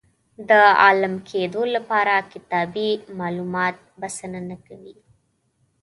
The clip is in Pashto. د عالم کېدو لپاره کتابي معلومات بسنه نه کوي.